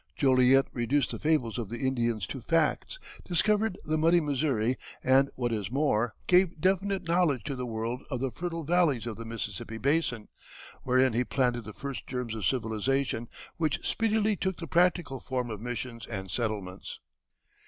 Joliet reduced the fables of the Indians to facts, discovered the muddy Missouri, and what is more, gave definite knowledge to the world of the fertile valleys of the Mississippi basin, wherein he planted the first germs of civilization, which speedily took the practical form of missions and settlements.